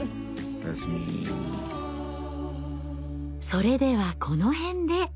それではこの辺で。